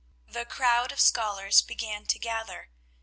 The crowd of scholars began to gather.